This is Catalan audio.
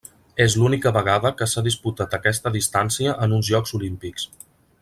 És l'única vegada que s'ha disputat aquesta distància en uns Jocs Olímpics.